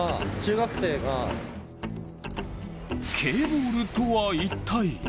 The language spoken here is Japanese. Ｋボールとは一体？